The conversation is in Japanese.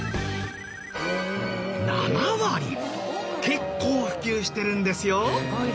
結構普及してるんですよ。